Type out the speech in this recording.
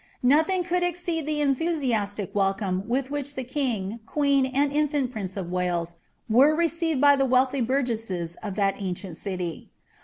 Nothing could exceed the enthusiastic welcome with which » king, queen, and in&nt prince of Wales, were received by the wealthy fgesses of that ancient city.